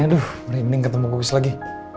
aduh merinding ketemu gugus lagi